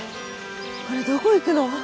これどこ行くの？